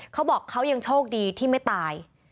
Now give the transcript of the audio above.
เขาบอกเขายังโชคดีที่ไม่ตาย